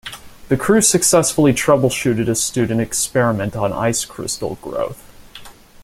The crew successfully troubleshooted a student experiment on ice crystal growth.